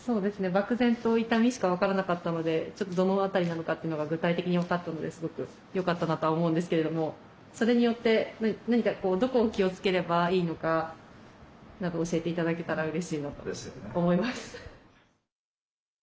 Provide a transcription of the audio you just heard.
漠然と痛みしか分からなかったのでちょっとどの辺りなのかってのが具体的に分かったのですごくよかったなとは思うんですけれどもそれによって何かどこを気をつければいいのかなど教えて頂けたらうれしいなと思います。